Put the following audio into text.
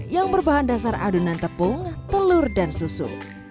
yang berbahan dasar adonan tepung telur dan susu